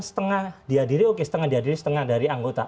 setengah diadili oke setengah diadili setengah dari anggota